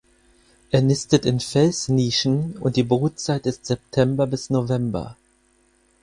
Er nistet in Felsnischen und die Brutzeit ist September bis November.